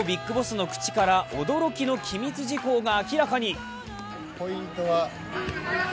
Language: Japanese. ＢＩＧＢＯＳＳの口から驚きの秘密事項が明らかに。